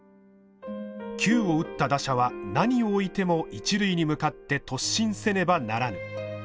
「球を打った打者は何をおいても一塁に向かって突進せねばならぬ」。